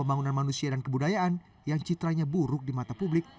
pembangunan manusia dan kebudayaan yang citranya buruk di mata publik